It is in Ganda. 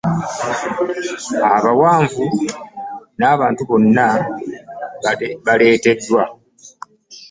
Abawanvu n'abantu bonna baleeteddwa.